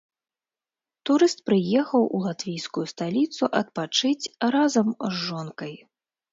Турыст прыехаў у латвійскую сталіцу адпачыць разам з жонкай.